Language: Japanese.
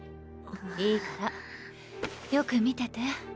いいからよく見てて。